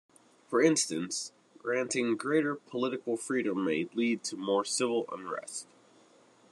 For instance, granting greater political freedom may lead to more civil unrest.